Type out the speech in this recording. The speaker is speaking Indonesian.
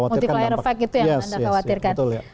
multiplier effect itu yang anda khawatirkan